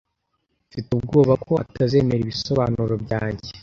Mfite ubwoba ko atazemera ibisobanuro byanjye.